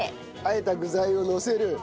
和えた具材をのせる。